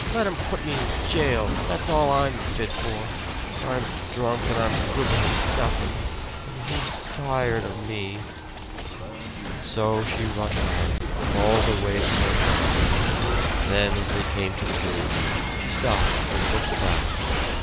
Let them put me in jail that's all I'm fit for. I'm drunk, and I'm good for nothing and he's tired of me!" So she rushed on, all the way toward town. Then, as they came to the bridge, she stopped and looked about.